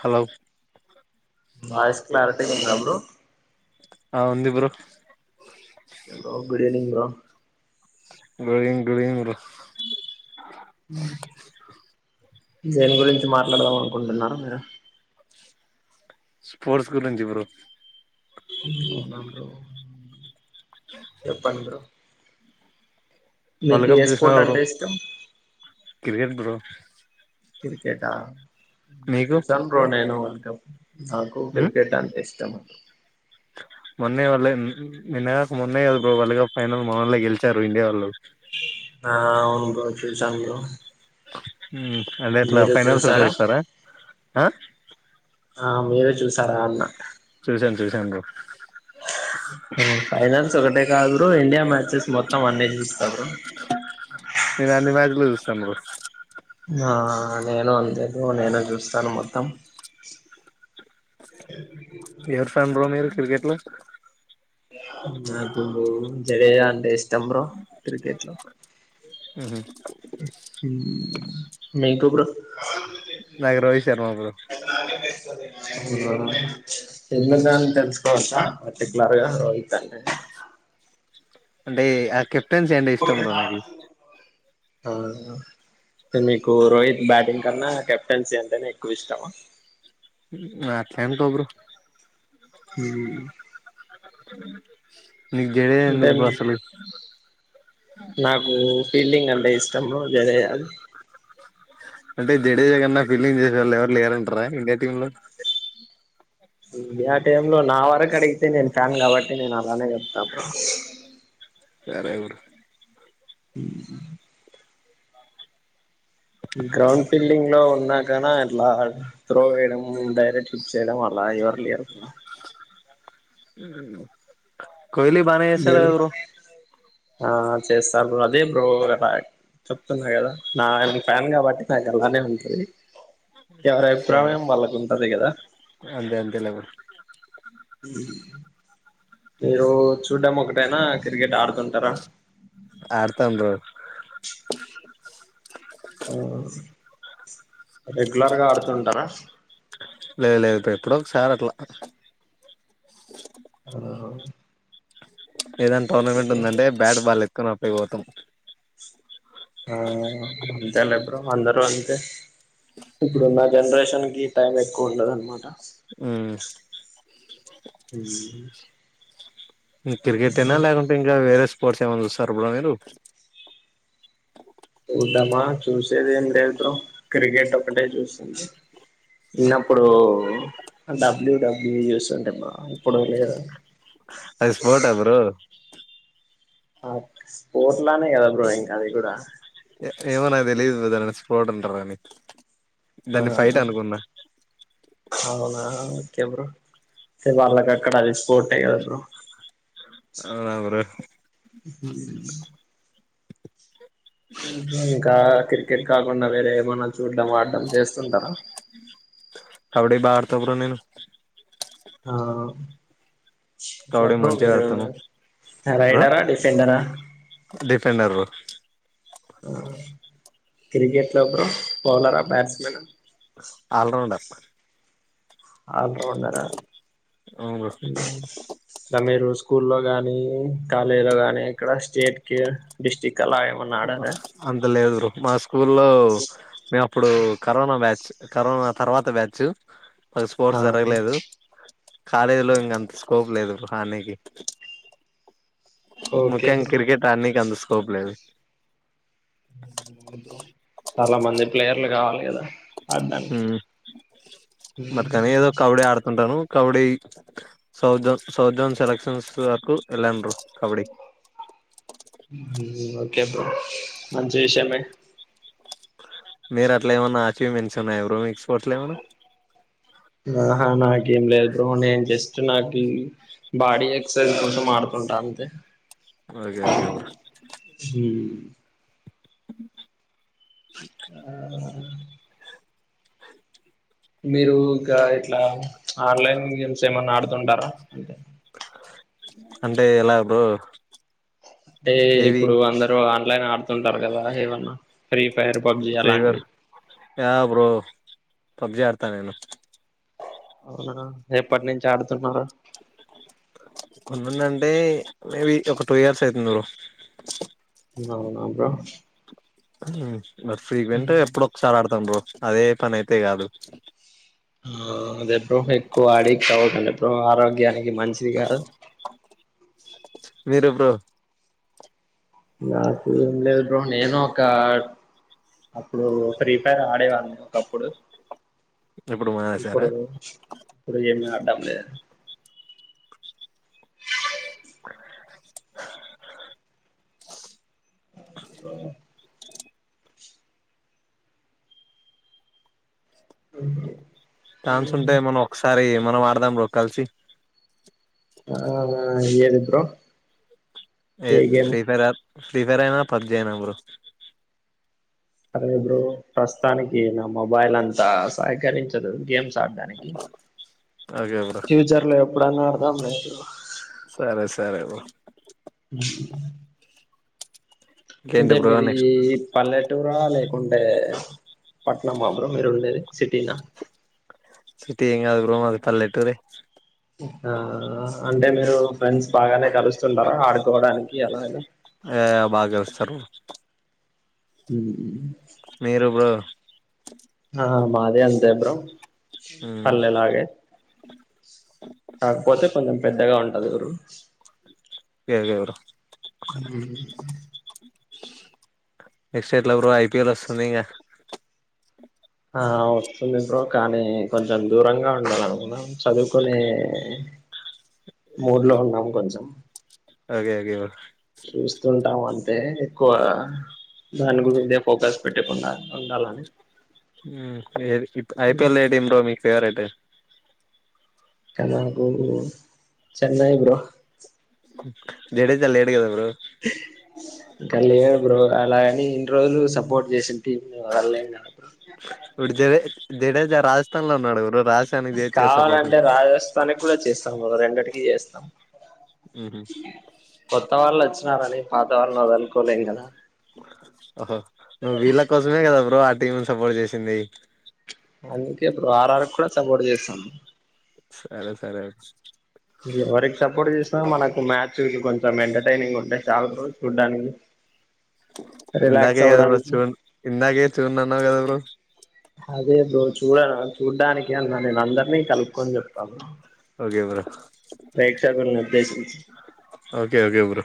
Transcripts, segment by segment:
Hello voice clarity ఉందా bro ఆ ఉంది bro hello good evening bro వ డూయింగ్ డూయింగ్ బ్రో మ్మ్ దేని గురించి మాట్లాడదాం అనుకుంటున్నారు మీరు స్పోర్ట్స్ గురించి బ్రో ఇ అవునా బ్రో చెప్పను బ్రో వరల్డ్ మీకు కప్ చూసినావా ఏస్పోర్ట్ బ్రో అంటే ఇష్టం క్రికెట్ బ్రో క్రికెట్ ఆ నీకు చూసాను బ్రో నేను [inaudible] నాకు ఉమ్ క్రికెట్ అంతే ఇష్టం [inaudible] మొన్నే వాళ్ళ నిన్నగాక మొన్నే కాదు బ్రో వరల్డ్ కప్ ఫైనల్ మొనల్లే గెలిచారు ఇండియా వాళ్ళు ఆ అవును బ్రో చూసాను బ్రో అంటే ఎట్లా మీరు ఫైనల్స్ ఒక్కటె చూసారా చుస్తారా ఆ మీరే చూసారా అన్న చూసాను చూసాను బ్రో ఫైనల్స్ ఒకటే కాదు్ బోర్ఇండియా మ్యాచెస్ మొత్తం అన్నీ చూస్తా బ్రో చం ఆ నేను అందదు నేను చూస్తాను మొత్తం ఎవరు ఫ్యాన్ బ్రో మీరు క్రికెట్ లో [inaudible] నాకు సరే అ ఏదీ ఇష్టం బ్రో క్రికెట్ లో మ్మ్ హ్మ్ న తప్పు నాకు రోహిత్ శర్మ బ్రో ఎన్న దని తెలుసుకోవచ్చా పర్టికలర్ గా రోహిత్ అంటే అంటే ఆక ెన్స్ంట ఇష్టం బ్రో నాకి ఆ మీకు రోహిత్ బ్యాటింగ్ కన్నా కెప్టెన్సీ అంటేనే ఎక్కువ ఇష్టమా ఉమ్ నువు అట్లే అనుకో బ్రో ఉమ్ అ ఇ జడే ఎందుకు బ్రో అసలు ఫీల్ంగ్ ఆంటే ఇష్టం బ్రో జడేజాది అంటే జడేగన్నా ఫీలింగ్ చేస వాళ్ళ ఎవరు లేరు రా ఇడియా టీమ్ ఆ టై లో నా వరకు అడిగితే నేను ఫ్యాన్ కాబట్టి నేను అలానే చెతాప్పు రివర్లీ ఉమ్ గ్రౌండ్ ఫీల్డింగ్ లో ఉన్నా కద ఎట్లా త్రో చేయడం డైరక్ట్ హిట్ చేయడం అలా ఎవరు లేరు బ్రో ఉమ్ కోహ్లీ బానే ఎసాడు కదా బ్రో ఆ చేస్తారు అదే బ్రో లా చెప్తున్నా కదా నా ఫ్యాన్ కాబట్టి నాకు అలానే ఉంటుది ఎవరి సరే అభిప్రాయం వాళ్ళకు ఉంటది కదా అంతే అంతేలే బ్రో ఉమ్ మీరు చూడాం ఒకటైనా క్రికెట్ ఆడుతుంటారా ఆడతం బ్రో ఉమ్ ఉ లేదు లేదు ఇప్పు ఎప్పుడ ఒకసార్ అట్లా ఆ ఏదానా ఓకే టోర్నమెంట్ బ్రో ఉందండి బ్యాట్ బాల్ ఎక్కున విభతం ఆ అంతలా బ్రో అందరు బ్రో అంతే ఇప్పుడు నా జనరేషన్ కి టైం ఎక్కువ ఉండదు అనమాట ఉమ్ క్రికెట్ ఏనా లేకుంటే ఇంకా వేరే స్పోర్ట్స్ ఏమై వస్తుా ర్పులాగారు చూద్దామా చూసేది ఏం లేద్దో బ్రో క్రికెట్ ఒకటే చుసింధి చిన్నప్పుడు డబ్ల్యూ డబ్ వీడియోస్ ఉంటే బాగుం అది స్పోర్ట్ ఆ బ్రో స్పోర్ట్ లానే కదా బ్రో ఇంకా అది కూడా ఏమో నాక్ తెలియదు బ్రదర్ అది స్పోర్ట్ అంటారు అని ఆ అవునా ఒకే బ్రో వాళ్ళకి అక్కడ అది స్పోర్ట్ ఏ కదా బ్రో అవునా బ్రో హ్ ఇంకా క్రికెట్ కాకుండా వేరే ఏమన్నా చూడ్డం ఆడడం చేస్తుంటారా కబడే బాగా అడుతా బ్రో నేను ఆ ఇట్ల కబడ్డీ బ్రో మంచిగా మీరు ఆడతాను బ్రో రైడరా డిఫెండరా డిఫెండర్ బ్రో ఆ క్రికెట్ లో బ్రో బౌలరా బ్యాట్స్మెనా ఆల్ రౌండర్ క్క ఆ బ్రో ఉన్నారా అవును బ్రో తమిళ్ చూస్ స్కూల్లో గాని కాలేజ్లో గానీ ఏక్కడ స్టేట్ కే డిస్ట్రిక్ట్ అంత లేదు బ్రో మా స్కూల్లో మేం ఇప్పుడు కరోనా బ్యాచ్ కరోనా తర్వాత బ్యాచు మాక్ ఆ స్పోర్ట్స్ జరగలేదు కాలేజ్లో ఇంగంత స్కోప్ లేదు ఆడనికి ఓకే ముఖ్యంగా బ్రో క్రికెట్ ఆడనికి అంత స్కో స్కోప్ లేదు చాలా మంది ప్లేయర్లు కావాలి కదా హు ఆడ్డానికి మట్కని ఏదో కబడ్డీ ఆడుతుంటాను kabaddi south zone south zone selections వరకు వెళ్ళాను బ్రో కబడ్డీ ఓకే బ్రో మంచి విషయమే మీరు అట్లా ఏమన్నా అచీవ్మెంట్స్ ఉన్నాయా బ్రో మీకు స్పోర్ట్స్ లో ఏమన్నా ఆహా నాకేం లేదు బ్రో నేను జస్ట్ నాకి బాడీ ఎక్సర్సైజ్ కోసం ఆడుతుంటా అంతే ఆ గాగా ఆ మీరు ఇంకా ఇట్లా ఆన్లైన్ గేమ్స్ ఏమన్నా ఆడ్ తుంటారా అంటే ఎలా బ్రో అంటే ఏవి ఇప్పుడు అందరు ఆన్లైన్ ఆడ్ తుంటరగాద ఏవన్నా ఫీవర్ ఆ బ్రో పబ్జి ఆడుతానిను అవునా ఎప్పటి నుంచి ఆడుతున్నారు కొన్నిందంటే మేబి ఒక టూ ఇయర్స్ అయితుంది బ్రో అవునా బ్రో హు మరి ఫ్రీక్వెంట్ ఎప్పుడో ఒకసారి ఆడుదం బ్రో అదే పని అయితే కాదు ఆ అదెప్పుడు ఎక్కువ ఆడి కవకండి ఆరోగ్యానికి మంచిది కాదు మీరు బ్రో నాకు ఏం లేదు బ్రో నేను ఒక అప్పుడు ఫ్రీ ఫైర్ ఆడేవాన్ని ఒకప్పుడు ఇప్పుడు మానేసారా ఇప్పుడు ఇప్పుడు ఏమి ఆడ్డం లేదు అఓ అ ఛాన్స్ ఉంటే మనం ఒకసారి మనం ఆడదాం బ్రో కలిసి ఆ ఏంది బ్రో ఏ ఫ్రీ ఫైర్ అద్ ఫ్రీ ఫైర్ అయినా పబ్జి అయినా బ్రో సరే బ్రో ప్రస్తుతానికి నా మొబైల్ అంతా సహకరించదు గేమ్స్ స్డానికి ఓకే బ్రో ఫ్యూచర్ లో ఎప్పుడన్నా అడదాం లే బ్రో సరే సరే బ్రో ఇంకేంటి అంటే బ్రో మీది నెక్స్ట్ పల్లెటూరా లేకుంటే పట్నం మా బ్రో మీరుండేది సిటీిన సిటీ ఏం కాదు బ్రో మాది పల్లెటూరే ఆ అంటే మీరు ఫ్రెండ్స్ బాగానే కలుస్తుంటారా ఆడుకోవడానికి అలానా ఏ బాగ కాలుస్తరు బ్రో హు మీరు బ్రో ఆ మాది అంతే బ్రో మ్మ్ పల్లెలాగే కాకపోతే కొంచెం పెద్దగా ఉం ర్ ఎగవరు హు నెక్స్ట్ ఎట్లా బ్రో ఐపిఎల్ వస్తుంది ఇంగ చంది బ్రో కానీ కొంచెం దూరంగా ఉండాలనుకున్నా చదువుకునే మూడ్లో ఉన్నాము కొంచెం ఒకే ఒకే చూస్తుంటాము అంతే ఎక్కువ దాని గురించే ఫోకస్ పెట్టకుండా ఉండాలని ఐపిఎల్ ఏడిం రో మీ ఫేర్యిట్ కనకుూ చన్న ఇవ్ర జడేజా లేడ కధ బ్రో ఇంకా లేదు బ్రో అలాగని ఇన్ని రోజులు సపోర్ట్ చేసిన టీమ్ వాళ్ళ ఉడుద జిడేజా రాజస్థాన్ లో ఉన్నాడు రాజస్థాన్కి చేయొచ్చు కదా సపోర్ట్ కావాలంటే రాజస్థానికి కూడా చేస్త రెండిటికి చేస్తాం ఉహు కొత్త వాళ్ళు వచ్చినారని పాత వాళ్ళ వదలుకోలేం కదా వ ఆ టీం సపోర్ట్ చేసింది అందుకే అప్పు వారరు కూడా సపోర్ట్ చేస్తాను సరే సరే ఎవరికి సపోర్ట్ చేసినా మనకు మ్యాచ్ కొంచెం కొంచ ఎంటర్టైనింగ్ ఉంటాయి చాలా ర్రోజ చూడ్డానికి ఇందకే రిలాక్స్ గదవ్రు అవ్వడానికి చూన్ ఇందకే చూడను అనవుకధ బ్రో అదే బ్రో చూడ చూడ్డానికి అన్నా నేను అందరినీ కలుపుకొని చెప్తాను ఎవరు పేక్షకు అభ్యాస ఓకే ఓకే బ్రో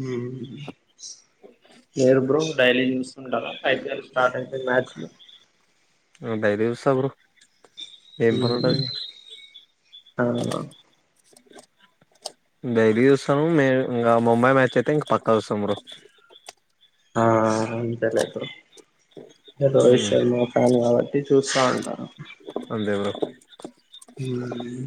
హమ్ నరు బ్రం డైలీ చూస్తుండాలా ఐపీఎల్ స్టార్ట్ అయి డైలీ చూస్తా బ్రో ఏం పని ఉంటది ఆ డిల్లీ చూస్తాను మేము ఇంకా ముంబై మ్యాచ్ అయితే ఇంక పక్కా చూస్తాం బ్రో ఆ అంతే లే బ్రో రోహిత్ ఉమ్ శర్మ ఫాన్ కాబట్టి చూస్తా అంట అంతే బ్రో హమ్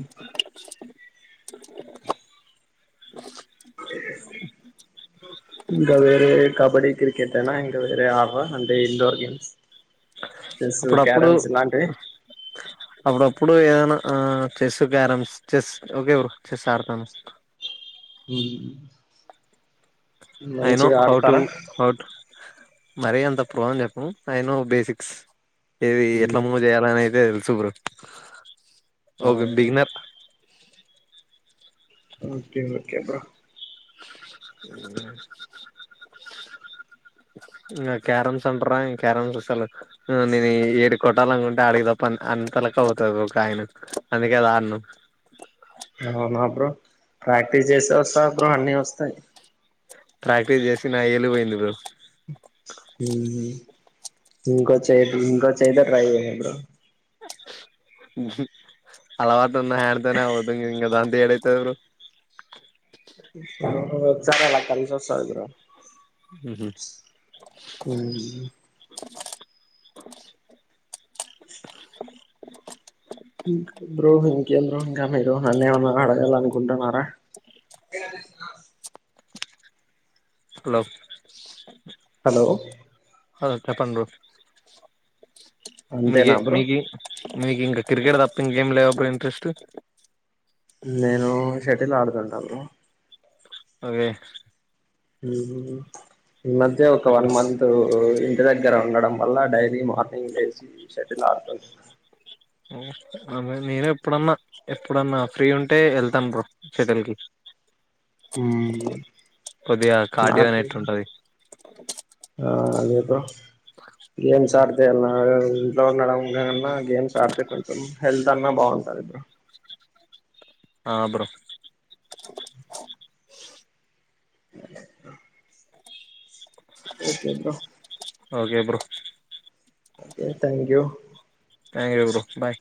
ఇంక అదేరే కబడ్డీ క్రికెట్ తేనా ఇంకా వేరే ఆపా అంటే ఇండోర్ గేమ్స్ చెస్సు అప్పుడప్పుడు క్యారమ్స్ ఇలాంటివి అప్పుడప్పుడు ఏదైనా ఆ chess carroms chess okay bro chess ఆడతాను హ్మ్ I know how to how to మర అంత ప్రో అని చెప్పను ఐ నో బేసిక్స్ ఏవి ఎట్లా మూవ్ చేయాలని అయితే సు బ్రో ఓకే బిగినర్ చే బ్రో ఇంగ క్యారమ్స్ అంటరా క్యారమ్స్ అసలు. ఆ నేను ఏది కొటాలను ఉం ఆడికి తప్ప అం అంతలక్క పోతది బ్రో కాయిను అందుకే అది ఆడ్ను అవునా బ్రో ప్రాక్టీస్ చేస్తే వస్తాయ్ బ్రో అన్నీ వస్తాయి ప్రాక్టీస్ చేసి నా వేలివోయింది బ్రో మ్మ్ ఇంకో చేయ్ ఇంకో చేతో ట్రై చేయ్ బ్రో ఊహూ అలవా [inaudible] అవుతయ్ ఇంగ దాంతే ఏడై తవురు నువ్వొచ్చాక అలా కలిసొస్తాదిరా ఉమ్ ఇంక్ బ్రో ఇంకేం బ్రో ఇంకా మీరు నన్ను ఏమన్నా అడగాలనుకుంటున్నారా హలో హలో హలో చెప్పండ్రు మీగే అంతేనా బ్రో మీగి మీకింకా కిరికెట్ తప్ప ఇంకగేం లేవా బ్రో ఇంట్రెస్టు నేను షటిల్ ఆడుతుంటాను ఒగే ఊహూ ఈ మధ్య ఒక ఎప్పుడు వన్ మంతు ఇంటి దగ్గర ఉండడం వల్ల డైలీ మా [inaudible] [unintelligible] అ నేను ఎప్పుడన్నా ఎప్పుడన్నా ఫ్రీ ఉంటే వెళ్తాను బ్రో సెటిల్ కి కొదిగా కార్డి అనేట్టు ఉంటది ఆ అది బ్రో [unintelligible] ఇంట్లో ఉండడంకన గేమ్స్ ఆడితే కొంచెం హెల్త్ అన్నా బాగుంటంది ఆ బ్రో అ okay bro okay bro okay thank you [unintelligible] bye